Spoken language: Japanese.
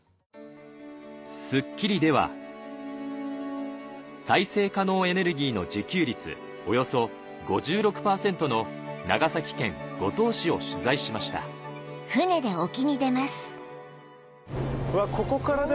『スッキリ』では再生可能エネルギーの自給率およそ５６％の長崎県五島市を取材しました何か。